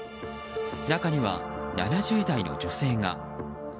中には７０代の女性が。